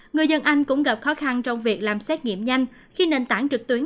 người dân anh cũng gặp khó khăn trong việc làm xét nghiệm nhanh khi nền tảng trực tuyến